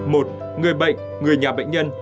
một người bệnh người nhà bệnh nhân